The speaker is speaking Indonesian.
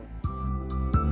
sadar surabaya kaya unsur sejarah